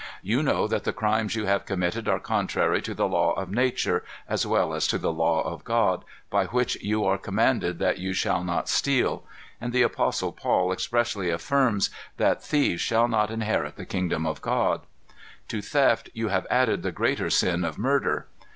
"You know that the crimes you have committed are contrary to the law of nature, as well as to the law of God, by which you are commanded that you shall not steal. And the apostle Paul expressly affirms that 'thieves shall not inherit the kingdom of God.' "To theft you have added the greater sin of murder.